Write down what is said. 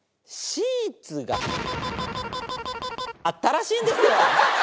らしいんですよ。